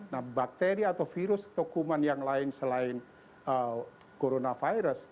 nah bakteri atau virus atau kuman yang lain selain coronavirus